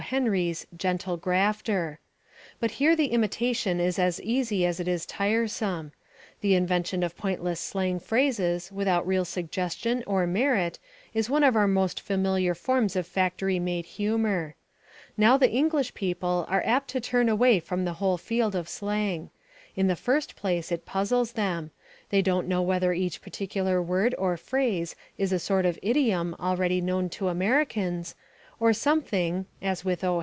Henry's "Gentle Grafter." But here the imitation is as easy as it is tiresome. The invention of pointless slang phrases without real suggestion or merit is one of our most familiar forms of factory made humour. Now the English people are apt to turn away from the whole field of slang. In the first place it puzzles them they don't know whether each particular word or phrase is a sort of idiom already known to Americans, or something (as with O.